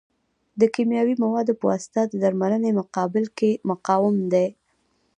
د کیمیاوي موادو په واسطه د درملنې په مقابل کې مقاوم دي.